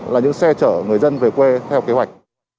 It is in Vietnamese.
là những xe chở người dân về quê theo kế hoạch